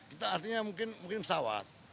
kita artinya mungkin pesawat